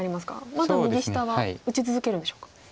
まだ右下は打ち続けるんでしょうか？